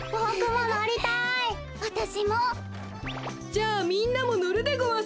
じゃあみんなものるでごわす。